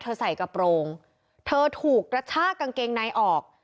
ใส่กระโปรงเธอถูกกระชากกางเกงในออก